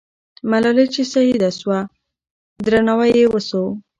ملالۍ چې شهیده سوه، درناوی یې وسو.